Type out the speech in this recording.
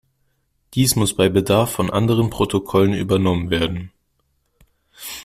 Dies muss bei Bedarf von anderen Protokollen übernommen werden.